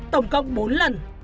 tổng cộng bốn lần